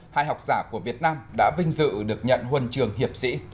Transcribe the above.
hai học giả của việt nam đã vinh dự được nhận huần trường hiệp sĩ